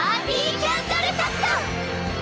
キャンドルタクト！